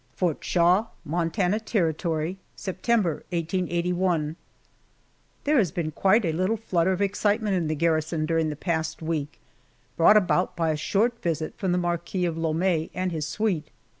FORT SHAW, MONTANA TERRITORY September, 1881. THERE has been quite a little flutter of excitement in the garrison during the past week brought about by a short visit from the Marquis of Lome and his suite.